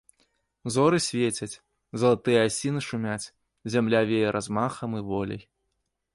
Зоры свецяць, залатыя асіны шумяць, зямля вее размахам і воляй.